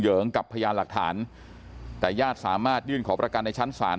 เหิงกับพยานหลักฐานแต่ญาติสามารถยื่นขอประกันในชั้นศาล